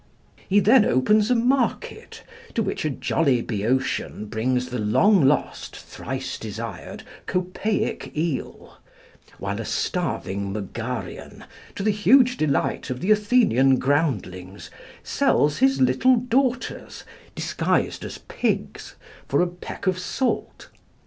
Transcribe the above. He then opens a market, to which a jolly Boeotian brings the long lost, thrice desired Copaic eel; while a starveling Megarian, to the huge delight of the Athenian groundlings, sells his little daughters, disguised as pigs, for a peck of salt.